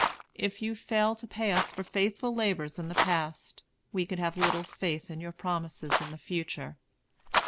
If you fail to pay us for faithful labors in the past, we can have little faith in your promises in the future.